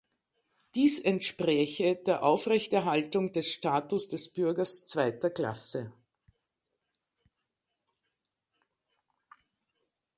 Dies entspräche der Aufrechterhaltung des Status des Bürgers zweiter Klasse.